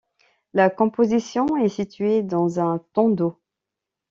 La composition est située dans un tondo.